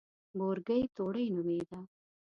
بورګۍ توړۍ نومېده.